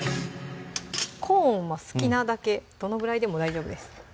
コーンは好きなだけどのぐらいでも大丈夫です